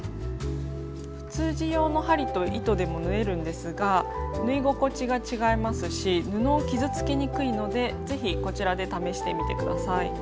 普通地用の針と糸でも縫えるんですが縫い心地が違いますし布を傷つけにくいので是非こちらで試してみて下さい。